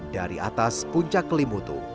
dari atas puncak kelimutu